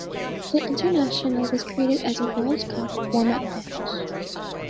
The International was created as a World Cup warm-up match.